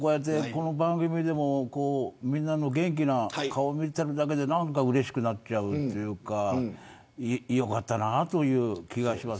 この番組でも、みんなの元気な顔を見ているだけで何かうれしくなっちゃうというか淳さん、いかがでしたか。